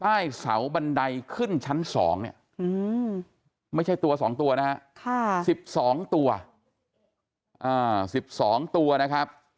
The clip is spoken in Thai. ใต้เสาบันไดขึ้นชั้น๒เนี่ยไม่ใช่ตัว๒ตัวนะฮะ๑๒ตัว๑๒ตัวนะครับ